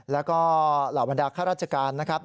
แล้วก็เหล่าบรรดาข้าราชการนะครับ